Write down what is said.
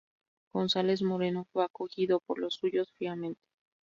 González Moreno fue acogido por los suyos fríamente.